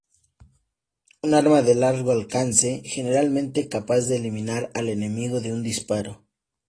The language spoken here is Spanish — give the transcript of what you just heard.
Un arma de largo alcance generalmente capaz de eliminar al enemigo de un disparo.